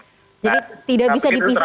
jadi tidak bisa dipisahkan